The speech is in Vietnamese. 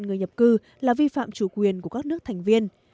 người nhập cư là vi phạm chủ quyền của các nước thành viên